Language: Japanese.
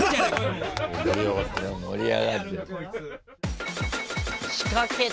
盛り上がってる。